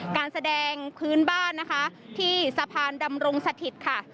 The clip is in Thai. การแสดงพื้นบ้านนะคะที่สะพานดำรงสถิตค่ะ